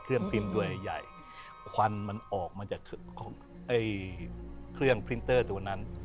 เครื่องพริ้นตัวใหญ่ควันมันออกมาจากเครื่องพริ้นเตอร์ตัวนั้น